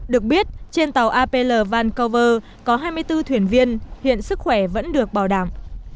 được biết trên tàu apl vancover có hai mươi bốn thuyền viên hiện sức khỏe vẫn được bảo đảm